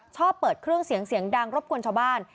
ชอบเปิดเครื่องเสียงดังรบควรชาวบ้าน